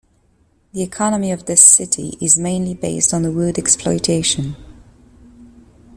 The economy of this city is mainly based on wood exploitation.